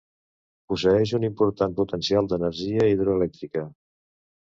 Posseeix un important potencial d'energia hidroelèctrica.